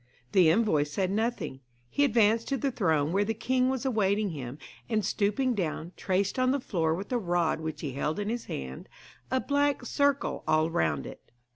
The envoy said nothing. He advanced to the throne where the king was awaiting him, and stooping down, traced on the floor with a rod which he held in his hand a black circle all round it.